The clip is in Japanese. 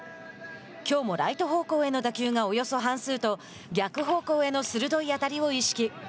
きょうもライト方向への打球がおよそ半数と逆方向への鋭い当たりを意識。